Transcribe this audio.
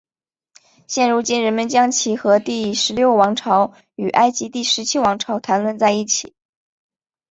现今人们常将其和第十六王朝与埃及第十七王朝谈论在一起。